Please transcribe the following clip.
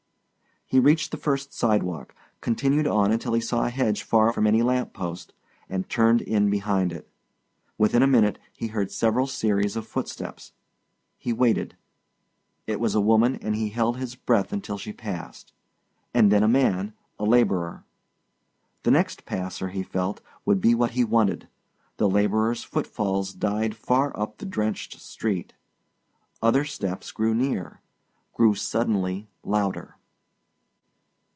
He reached the first sidewalk, continued on until he saw a hedge far from any lamp post, and turned in behind it. Within a minute he heard several series of footsteps he waited it was a woman and he held his breath until she passed ... and then a man, a laborer. The next passer, he felt, would be what he wanted ... the laborer's footfalls died far up the drenched street ... other steps grew nears grew suddenly louder.